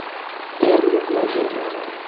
Lernu la germanan!